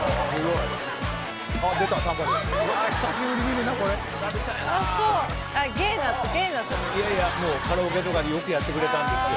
いやいやもうカラオケとかでよくやってくれたんですよ